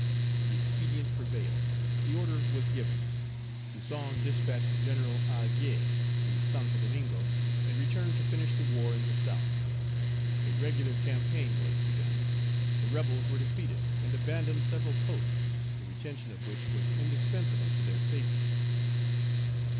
The expedient prevailed. The order was given. Toussaint dispatched General Agé to Santo Domingo, and returned to finish the war in the South. A regular campaign was begun. The rebels were defeated, and abandoned several posts, the Page 114 retention of which was indispensable to their safety.